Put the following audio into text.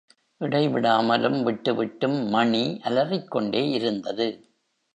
இடைவிடாமலும், விட்டு விட்டும் மணி அலறிக் கொண்டே இருந்தது.